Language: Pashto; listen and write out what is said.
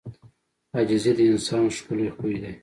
• عاجزي د انسان ښکلی خوی دی.